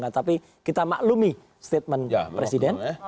tapi kita maklumi statement presiden